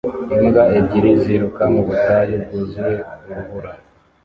Imbwa ebyiri ziruka mu butayu bwuzuye urubura